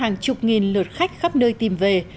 nhìn lượt khách khắp nơi tìm về